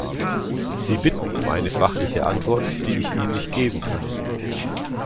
Sie bitten um eine fachliche Antwort, die ich Ihnen nicht geben kann.